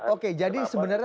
oke jadi sebenarnya